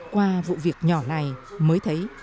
qua vụ việc nhỏ này mới thấy